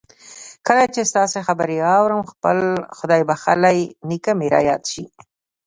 کله چې ستاسې خبرې آورم خپل خدای بخښلی نېکه مې را یاد شي